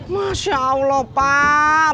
masya allah pak